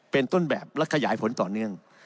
เป็นต้นแบบและขยายผลต่อเนื่อง